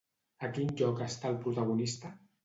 A quin lloc està el protagonista?